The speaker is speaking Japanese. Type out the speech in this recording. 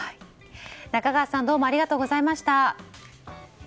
中川さんどうもありがとうございました。